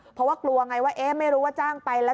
เพราะว่ากลัวไงว่าเอ๊ะไม่รู้ว่าจ้างไปแล้ว